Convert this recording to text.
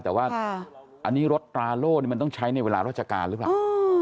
แต่ว่าอันนี้รถตราโล่มันต้องใช้ในเวลาราชการหรือเปล่า